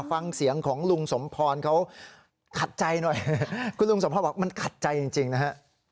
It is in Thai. ฟังเสียงของลุงสมพรเขาขัดใจหน่อยคุณลุงสมพรบอกมันขัดใจจริงนะฮะ